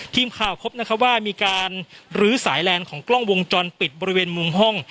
ทีมข่าวพบนะครับว่ามีการลื้อสายแลนด์ของกล้องวงจรปิดบริเวณมุมห้อง